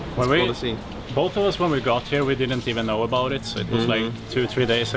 kami berdua ketika kita sampai di sini kita tidak tahu bahwa itu jadi itu seperti dua tiga hari lalu